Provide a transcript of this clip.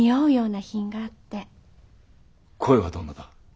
声はどんなだ？